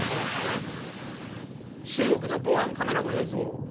中国の防犯カメラの映像。